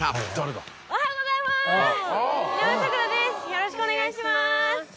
よろしくお願いします。